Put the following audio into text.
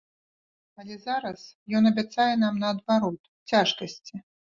Але зараз ён абяцае нам, наадварот, цяжкасці.